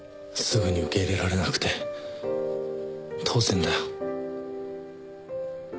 すぐに受け入れられなくて当然だよ。